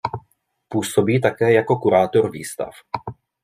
Působí také jako kurátor výstav.